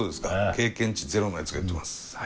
経験値ゼロのやつが言ってますはい。